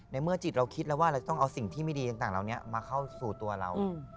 เมื่อจิตเราคิดแล้วว่าเราจะต้องเอาสิ่งที่ไม่ดีต่างเหล่านี้มาเข้าสู่ตัวเรา